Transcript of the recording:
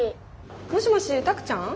もしもしタクちゃん？